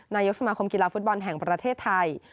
นายกสมาคมกีฬาฟุตบอลแห่งประเทศไทย